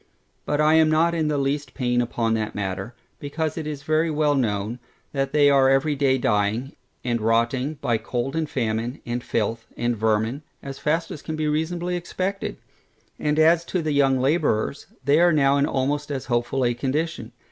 But I am not in the least pain upon that matter, because it is very well known, that they are every day dying, and rotting, by cold and famine, and filth, and vermin, as fast as can be reasonably expected. And as to the young labourers, they are now in almost as hopeful a condition.